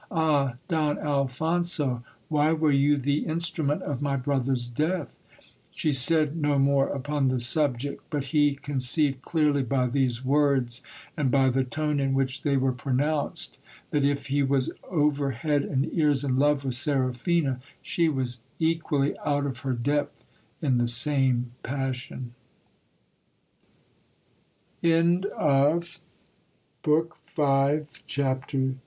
Ah ! Don Alphonso, why were you the instru ment of my brother's death ? She said no more upon the subject ; but he con ceived clearly by these words, and by the tone in which they were pronounced, that if he was over head and ears in love with Seraphina, she was equally out of her